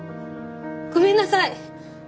ごめんなさい！